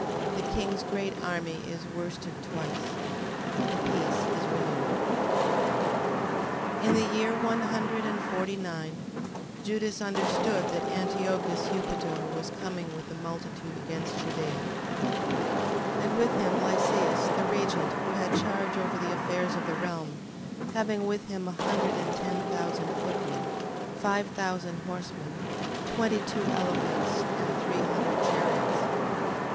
The king's great army is worsted twice. The peace is renewed. 13:1. In the year one hundred and forty nine, Judas understood that Antiochus Eupator was coming with a multitude against Judea, 13:2. And with him Lysias, the regent, who had charge over the affairs of the realm, having with him a hundred and ten thousand footmen, five thousand horsemen, twenty two elephants, and three hundred chariots.